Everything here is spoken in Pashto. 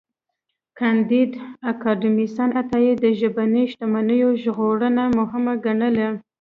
کانديد اکاډميسن عطايی د ژبني شتمنیو ژغورنه مهمه ګڼله.